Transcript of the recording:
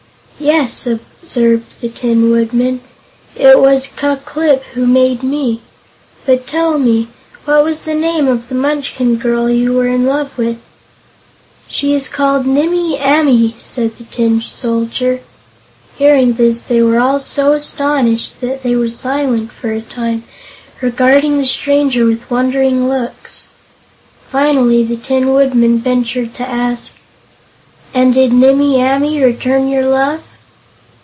"Yes," observed the Tin Woodman, "it was Ku Klip who made me. But, tell me, what was the name of the Munchkin girl you were in love with?" "She is called Nimmie Amee," said the Tin Soldier. Hearing this, they were all so astonished that they were silent for a time, regarding the stranger with wondering looks. Finally the Tin Woodman ventured to ask: "And did Nimmie Amee return your love?"